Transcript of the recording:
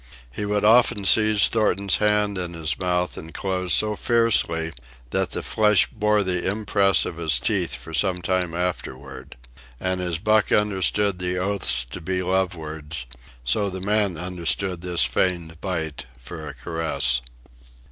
He would often seize Thornton's hand in his mouth and close so fiercely that the flesh bore the impress of his teeth for some time afterward. And as Buck understood the oaths to be love words, so the man understood this feigned bite for a caress.